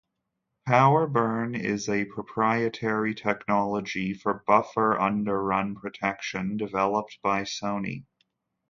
Power Burn is a proprietary technology for buffer underrun protection, developed by Sony.